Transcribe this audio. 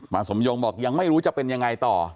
สมยงบอกยังไม่รู้จะเป็นยังไงต่อ